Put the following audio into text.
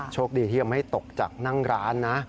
โชคดีที่ยังไม่ตกจากนั่งร้านนะ